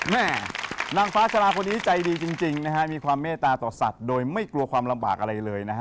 แม่นางฟ้าชะลาคนนี้ใจดีจริงนะฮะมีความเมตตาต่อสัตว์โดยไม่กลัวความลำบากอะไรเลยนะฮะ